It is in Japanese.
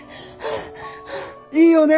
いいよね？